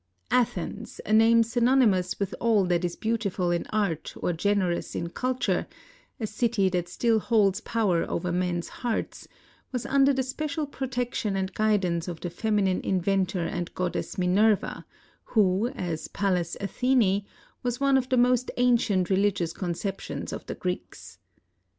Athens, a name synonymous with all that is beautiful in art or generous in culture, a city that still holds power over men's hearts, was under the special protection and guidance of the feminine inventor and goddess Minerva, who, as Pallas Athene, was one of the most ancient religious conceptions of the Greeks.